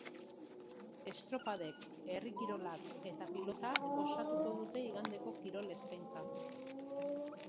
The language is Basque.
Estropadek, herri kirolak eta pilotak osatuko dute igandeko kirol eskaintza.